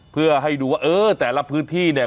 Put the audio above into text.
เพื่อให้ดูว่าเออแต่ละพื้นที่เนี่ย